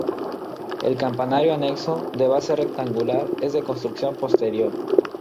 El campanario anexo, de base rectangular, es de construcción posterior.